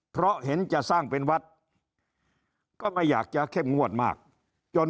เพราะเห็นจะสร้างเป็นวัดก็ไม่อยากจะเข้มงวดมากจน